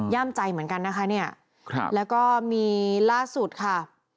ใจเหมือนกันนะคะเนี่ยแล้วก็มีล่าสุดค่ะ